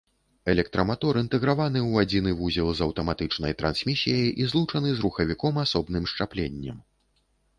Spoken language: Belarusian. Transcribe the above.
Электраматор інтэграваны ў адзіны вузел з аўтаматычнай трансмісіяй і злучаны з рухавіком асобным счапленнем.